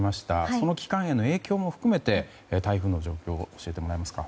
その期間への影響も含めて台風の状況をお願いできますか。